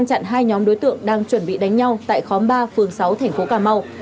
công an đối tượng đang chuẩn bị đánh nhau tại khóm ba phường sáu thành phố cà mau